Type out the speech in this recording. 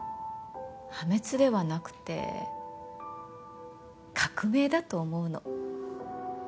破滅ではなくて革命だと思うの。